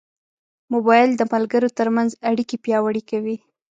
موبایل د ملګرو ترمنځ اړیکې پیاوړې کوي.